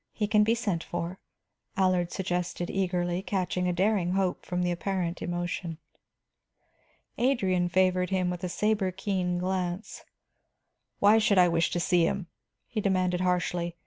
He can be sent for," Allard suggested eagerly, catching a daring hope from the apparent emotion. Adrian favored him with a saber keen glance. "Why should I wish to see him?" he demanded harshly.